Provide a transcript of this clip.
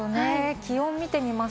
気温を見てみます。